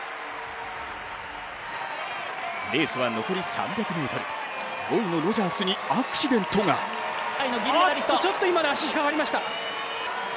レースは残り３００ｍ、５位のロジャースにアクシデントがあっと、ちょっと今、足、ひっかかりました。